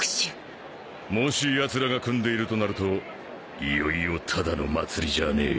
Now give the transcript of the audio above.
もしやつらが組んでいるとなるといよいよただの祭りじゃねえ。